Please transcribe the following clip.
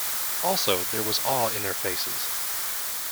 Also, there was awe in their faces.